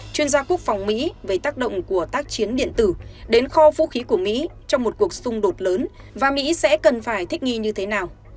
chuyên gia quốc phòng mỹ về tác động của tác chiến điện tử đến kho vũ khí của mỹ trong một cuộc xung đột lớn và mỹ sẽ cần phải thích nghi như thế nào